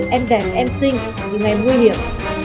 em đẹp em xinh nhưng em nguy hiểm